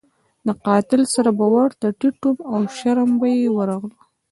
د قاتل سر به ورته ټیټ وو او شرم به یې ورغلو.